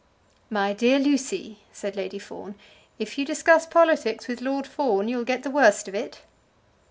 "My dear Lucy," said Lady Fawn, "if you discuss politics with Lord Fawn, you'll get the worst of it."